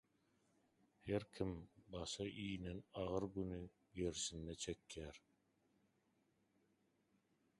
Her kim, başa inen agyr güni gerşinde çekýär.